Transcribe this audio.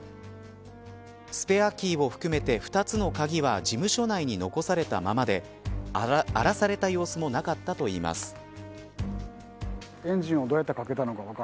スペアキーを含めて２つの鍵は事務所内に残されたままで荒らされた様子もなかったといいます。